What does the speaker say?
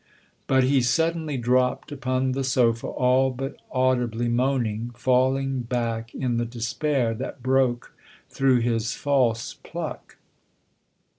But he suddenly dropped upon the sofa, all but audibly moaning, falling back in the despair that broke through his false pluck.